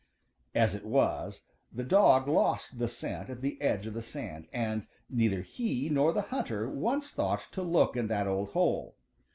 As it was, the dog lost the scent at the edge of the sand, and neither he nor the hunter once thought to look in that old hole.